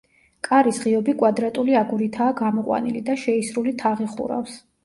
კარის ღიობი კვადრატული აგურითაა გამოყვანილი და შეისრული თაღი ხურავს.